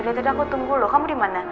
dari tadi aku tunggu loh kamu dimana